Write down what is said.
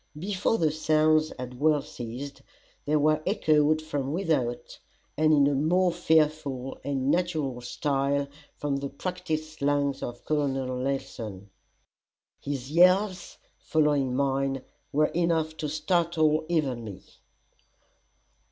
Before the sounds had well ceased, they were echoed from without and in more fearful and natural style from the practised lungs of Col. Nelson. His yells following mine, were enough to startle even me.